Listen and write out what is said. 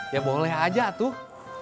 ya boleh aja atuh